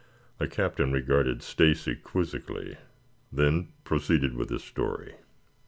The Captain regarded Stacy quizzically, then proceeded with his story.